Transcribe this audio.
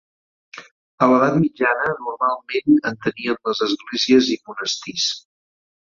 A l'Edat mitjana normalment en tenien les esglésies i monestirs.